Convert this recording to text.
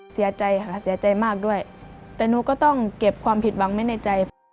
เสียใจค่ะเสียใจมากด้วยแต่หนูก็ต้องเก็บความผิดหวังไว้ในใจ